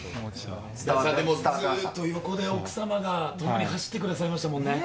ずっと横で奥さまが走ってくださいましたもんね。